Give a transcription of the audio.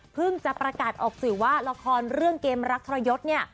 จะประกาศออกสื่อว่าละครเรื่องเกมรักทรยศเนี่ย